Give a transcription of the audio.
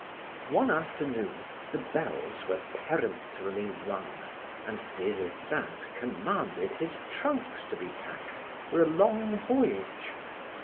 One afternoon the bells were peremptorily rung and Des Esseintes commanded his trunks to be packed for a long voyage.